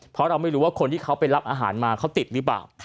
เพราะเราไม่รู้ว่าคนที่เขาไปรับอาหารมาเขาติดหรือเปล่า